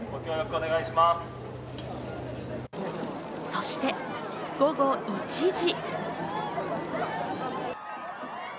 そして午後１時。